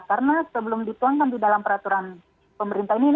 karena sebelum dituangkan di dalam perusahaan ini tidak bisa dituangkan